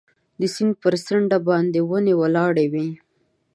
د سیند پر څنډه باندې ونې ولاړې وې.